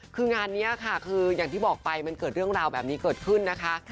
คืองานนี้ค่ะคืออย่างที่บอกไปมันเกิดเรื่องราวแบบนี้เกิดขึ้นนะคะ